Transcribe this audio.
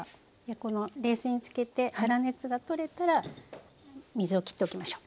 この冷水に漬けて粗熱が取れたら水をきっておきましょう。